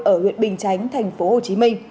ở huyện bình chánh tp hcm